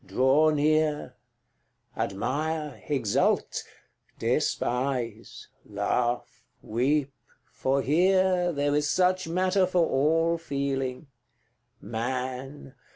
draw near, CIX. Admire, exult despise laugh, weep for here There is such matter for all feeling: Man!